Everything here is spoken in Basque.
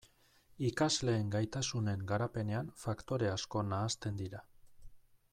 Ikasleen gaitasunen garapenean faktore asko nahasten dira.